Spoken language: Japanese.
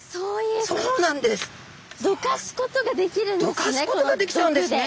どかすことができちゃうんですね。